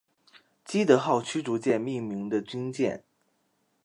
基德号驱逐舰命名的军舰。